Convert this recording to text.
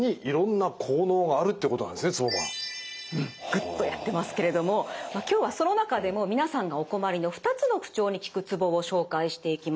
グッとやってますけれども今日はその中でも皆さんがお困りの２つの不調に効くツボを紹介していきます。